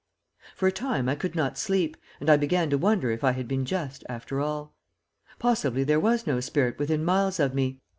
For a time I could not sleep, and I began to wonder if I had been just, after all. Possibly there was no spirit within miles of me.